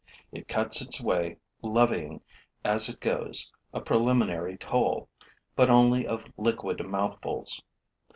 It cuts its way, levying, as it goes, a preliminary toll, but only of liquid mouthfuls.